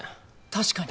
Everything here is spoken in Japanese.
確かに。